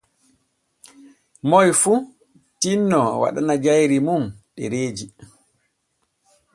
Moy fu tinno waɗana jayri mun ɗereeji.